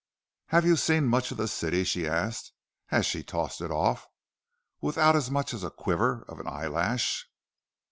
"Have you seen much of the city?" she asked, as she tossed it off—without as much as a quiver of an eyelash.